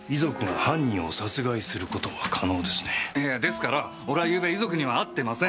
いえですから俺は昨晩遺族には会ってません。